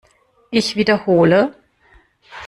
Ich wiederhole!